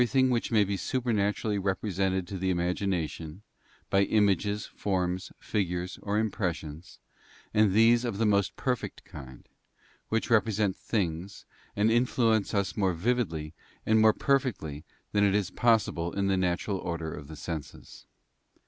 115 thing which may be supernaturally represented to the imagination by images, forms, figures, or impressions, and these of the most perfect kind, which represent things, and influence us more vividly and more perfectly than it is possible in the natural order of the senses.